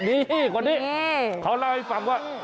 นี่คนนี้เขาเล่าให้ฟังว่า